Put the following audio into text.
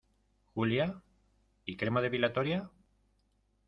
Julia, ¿ y crema depilatoria?